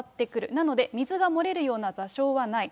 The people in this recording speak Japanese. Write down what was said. なので、水が漏れるような座礁はない。